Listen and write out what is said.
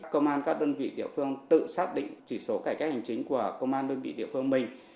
công an các đơn vị địa phương tự xác định chỉ số cải cách hành chính của công an đơn vị địa phương mình